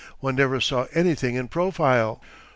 One never saw anything in profile.